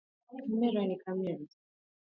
Kamera ni kamera.